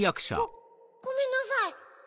ごめんなさい。